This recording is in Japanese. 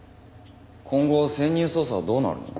今後潜入捜査はどうなるの？